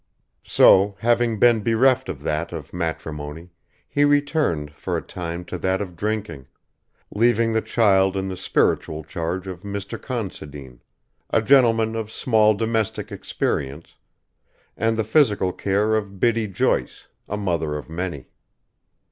So, having been bereft of that of matrimony, he returned, for a time to that of drinking, leaving the child in the spiritual charge of Mr. Considine, a gentleman of small domestic experience, and the physical care of Biddy Joyce, a mother of many.